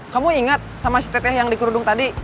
kamu ingat sama si teteh yang di kerudung tadi